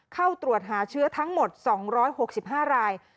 เข้าตรวจหาเชื้อทั้งหมด๒๖๕ราย